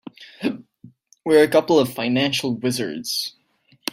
We're a couple of financial wizards.